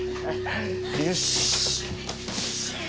よし。